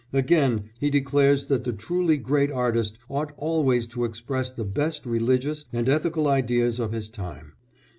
Again, he declares that the truly great artist ought always to express the best religious and ethical ideas of his time.